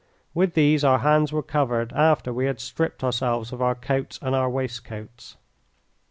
With these our hands were covered after we had stripped ourselves of our coats and our waistcoats.